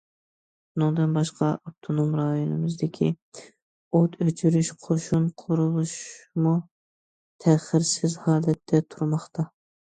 بۇنىڭدىن باشقا، ئاپتونوم رايونىمىزدىكى ئوت ئۆچۈرۈش قوشۇن قۇرۇلۇشىمۇ تەخىرسىز ھالەتتە تۇرماقتا.